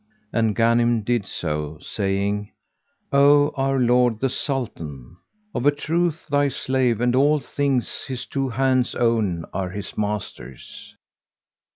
''[FN#136] And Ghanim so did, saying, "O our lord the Sultan, of a truth thy slave and all things his two hands own are his master's."